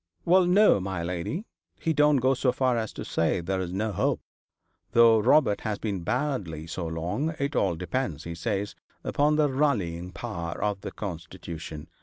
'Well, no, my lady. He don't go so far as to say there's no hope, though Robert has been badly so long. It all depends, he says, upon the rallying power of the constitution.